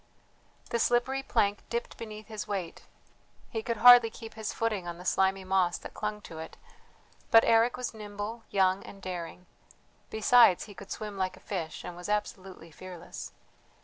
The slippery plank dipped beneath his weight; he could hardly keep his footing on the slimy moss that clung to it. But Eric was nimble, young, and daring; besides, he could swim like a fish, and was absolutely fearless.